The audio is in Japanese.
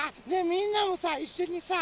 みんなもさいっしょにさ